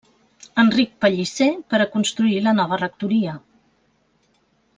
Enric Pellicer per a construir la nova rectoria.